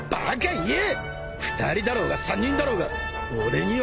２人だろうが３人だろうが俺には関係ねえ！